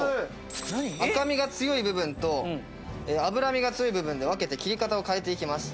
赤身が強い部分と脂身が強い部分で分けて切り方を変えていきます。